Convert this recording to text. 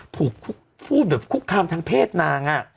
ถูกพูดแบบคุกคามทางเพศนาง